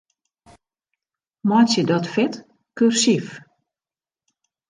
Meitsje dat fet kursyf.